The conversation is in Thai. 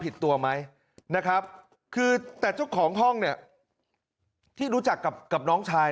ผิดตัวไหมนะครับคือแต่เจ้าของห้องเนี่ยที่รู้จักกับน้องชาย